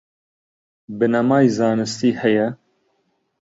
بنەمای زانستی هەیە؟